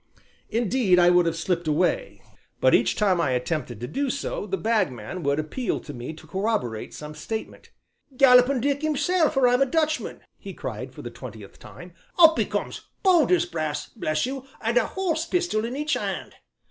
Indeed, I would have slipped away, but each time I attempted to do so the Bagman would appeal to me to corroborate some statement. "Galloping Dick himself, or I'm a Dutchman!" he cried for the twentieth time; "up he comes, bold as brass, bless you, and a horse pistol in each hand.